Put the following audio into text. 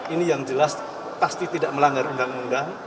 ini yang jelas pasti tidak melanggar undang undang